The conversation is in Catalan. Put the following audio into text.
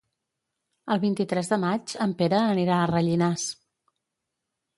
El vint-i-tres de maig en Pere anirà a Rellinars.